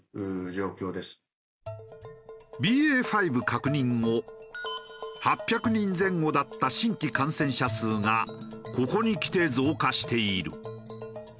ＢＡ．５確認後８００人前後だった新規感染者数がここにきて増加している。